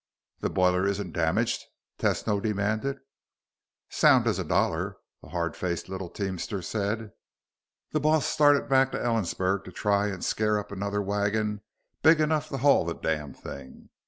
"The boiler isn't damaged?" Tesno demanded. "Sound as a dollar," the hard faced little teamster said. "The boss started back to Ellensburg to try and scare up another wagon big enough to haul the damn thing.